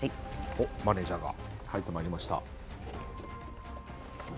おっマネージャーが入ってまいりました。